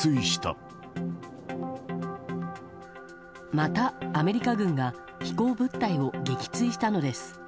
また、アメリカ軍が飛行物体を撃墜したのです。